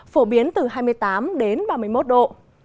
phổ biến từ hai mươi tám đến ba mươi một độ